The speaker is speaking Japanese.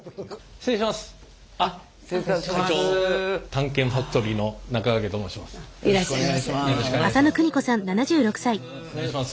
失礼します。